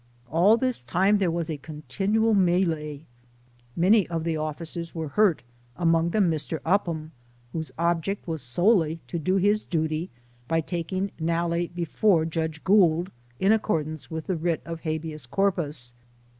All this time there was a continual melee. Many of the officers were hurt 98 SOME SCENES IN THE among them Mr. Uphani, whose object was solely to do his duty by taking Nalle before Judge Gould in accordance with the writ of habeas corpus.